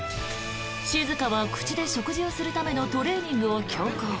静は口で食事をするためのトレーニングを強行。